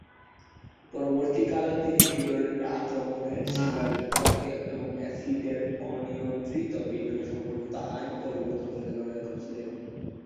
পরবর্তীকালে তিনি এই ধরনের আক্রমণের শিকারদের পক্ষে এবং অ্যাসিডের অনিয়ন্ত্রিত বিক্রয় সম্পর্কিত আইন পরিবর্তন করতে লড়াই করেছিলেন।